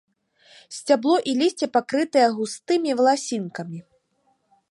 Сцябло і лісце пакрытыя густымі валасінкамі.